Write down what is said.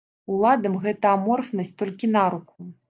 Уладам гэта аморфнасць толькі на руку.